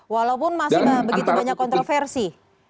walaupun masih begitu banyak kontroversi